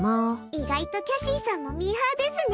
意外とキャシーさんもミーハーですね。